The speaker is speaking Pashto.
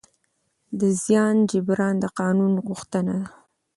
د زیان جبران د قانون غوښتنه ده.